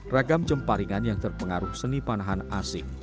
ragam jempa ringan yang terpengaruh seni panahan asing